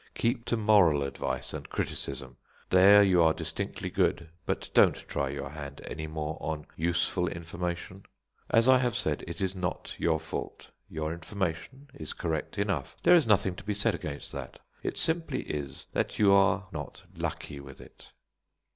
Keep to moral advice and criticism there you are distinctly good; but don't try your hand any more on 'Useful Information.' As I have said, it is not your fault. Your information is correct enough there is nothing to be said against that; it simply is that you are not lucky with it."